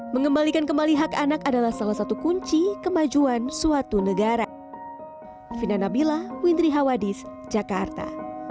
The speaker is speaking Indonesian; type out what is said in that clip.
mengembalikan kembali hak anak adalah salah satu kunci kemajuan suatu negara